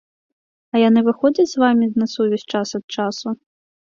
А яны выходзяць з вамі на сувязь час ад часу?